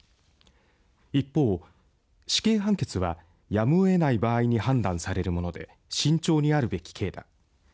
一方、死刑判決はやむをえない場合に判断されるもので慎重にあるべき刑だ。